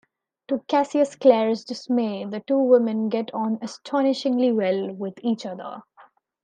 To Cassius Clare's dismay, the two women get on astonishingly well with each other.